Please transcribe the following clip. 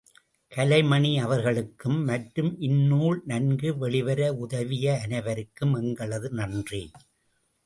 கலைமணி அவர்களுக்கும், மற்றும் இந்நூல் நன்கு வெளிவர உதவிய அனைவருக்கும் எங்களது நன்றி.